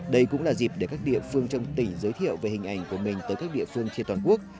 đây cũng là dịp để các địa phương trong tỉnh giới thiệu về hình ảnh của mình tới các địa phương trên toàn quốc